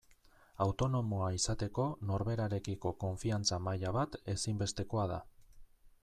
Autonomoa izateko norberarekiko konfiantza maila bat ezinbestekoa da.